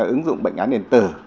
ứng dụng bệnh án điện tử